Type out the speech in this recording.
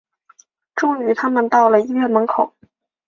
终于他们到了医院门口